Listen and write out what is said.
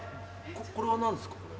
これは何ですか？